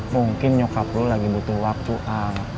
mungkin nyokap lu lagi butuh waktu ang